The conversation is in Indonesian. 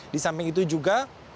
di samping itu juga